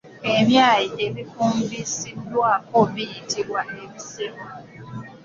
Ebyayi ebifumbisiddwako biyitibwa ebisebo